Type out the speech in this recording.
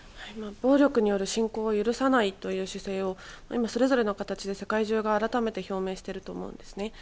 暴力による侵攻を許さないという姿勢をそれぞれの形で世界中が改めて表明していると思うんですね。